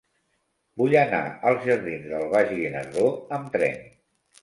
Vull anar als jardins del Baix Guinardó amb tren.